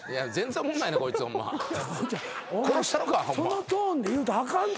そのトーンで言うたらあかんって。